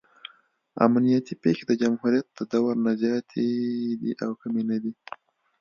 امنیتي پېښې د جمهوریت د دور نه زیاتې دي او کمې نه دي.